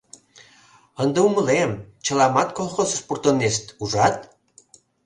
— Ынде умылем: чыламат колхозыш пуртынешт, ужат?